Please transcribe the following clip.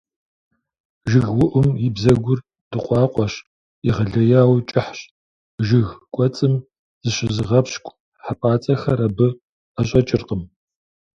ЖыгыуIум и бзэгур дыкъуакъуэщ, егъэлеяуи кIыхьщ. Жыг кIуэцIым зыщызыгъэпщкIу хьэпIацIэхэр абы IэщIэкIыркъым.